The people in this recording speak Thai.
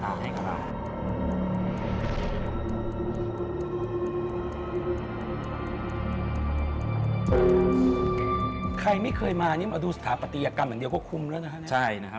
อันนี้มาดูสถาปฏิอากรรมอย่างเดียวก็คุ้มแล้วนะครับ